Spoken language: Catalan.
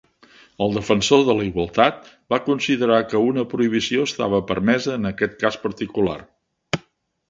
El Defensor de la Igualtat va considerar que una prohibició estava permesa en aquest cas particular.